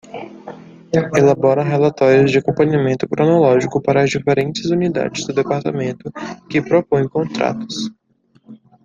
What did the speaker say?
Elabora relatórios de acompanhamento cronológico para as diferentes unidades do Departamento que propõem contratos.